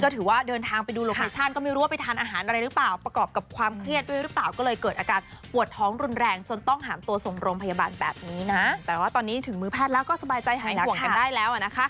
ห่วงกันได้แล้วอะนะคะ